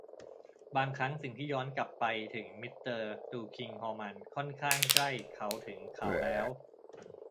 บางครั้ง สิ่งที่ย้อนกลับไปถึงมิสเตอร์ตุลคิงฮอร์มันค่อนข้างใกล้เขาถึงเขาแล้ว